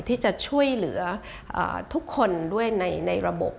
ที่จะช่วยเหลือทุกคนด้วยในระบบ